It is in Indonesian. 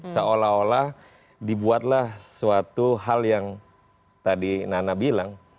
seolah olah dibuatlah suatu hal yang tadi nana bilang